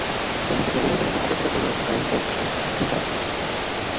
ব্রহ্মপুত্র অববাহিকায় অন্য হাজার হাজার পরিবারের মতো তারাও নিদারুণ কষ্টে দিন কাটাচ্ছে।